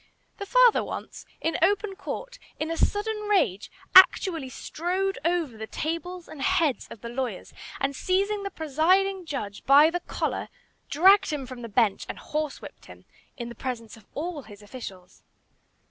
The father once, in open court, in a sudden rage, actually strode over the tables and heads of the lawyers, and seizing the presiding judge by the collar, dragged him from the bench and horsewhipped him in the presence of all his officials.